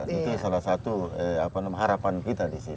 itu salah satu harapan kita di sini